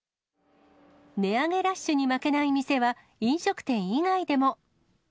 値上げラッシュに負けない店は、飲食店以外でも。